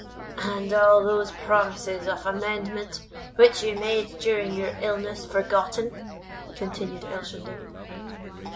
"And all those promises of amendment which you made during your illness forgotten?" continued Elshender.